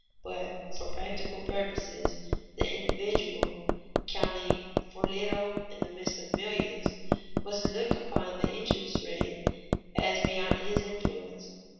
But for practical purposes the individual, counting for little in the midst of millions, must look upon the interest rate as beyond his influence.